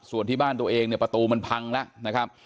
ส่วนที่บ้านตัวเองเนี่ยประตูมันพังแล้วนะครับ